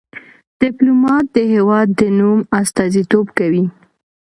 ډيپلومات د هېواد د نوم استازیتوب کوي.